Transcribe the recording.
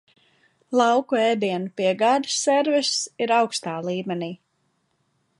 Lauku ēdienu piegādes serviss ir augstā līmenī.